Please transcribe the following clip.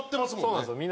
そうなんですよ。